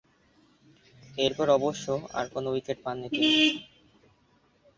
এরপর অবশ্য আর কোন উইকেট পাননি তিনি।